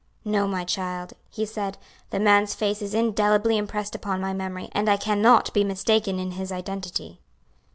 "No, my child," he said, "the man's face is indelibly impressed upon my memory, and I can not be mistaken in his identity."